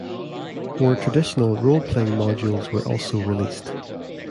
More traditional role-playing modules were also released.